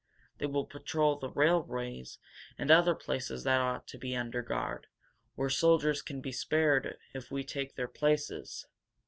They will patrol the railways and other places that ought to be under guard, where soldiers can be spared if we take their places.